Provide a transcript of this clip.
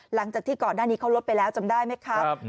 หลังจากที่ก่อนหน้านี้เขาลดไปแล้วจำได้ไหมครับ